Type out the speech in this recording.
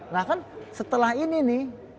nah kan setelah ini nih